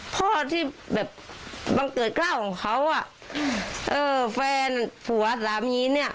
พ่อที่แบบบังเกิดกล้าวของเขาอ่ะเออแฟนผัวสามีเนี่ย